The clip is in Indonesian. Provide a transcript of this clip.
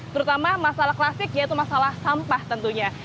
terutama masalah klasik yaitu masalah sampah tentunya